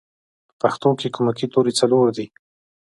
په پښتو کې کومکی توری څلور دی